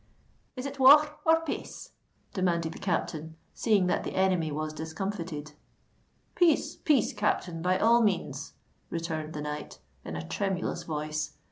"Is it war r r, or pace?" demanded the captain, seeing that the enemy was discomfited. "Peace—peace, captain,—by all means," returned the knight, in a tremulous voice.